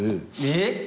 えっ！？